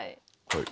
はい。